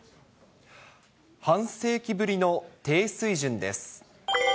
半世紀ぶりの低水準です。